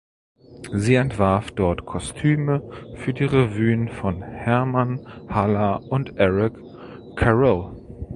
Sie entwarf dort Kostüme für die Revuen von Herman Haller und Erik Charell.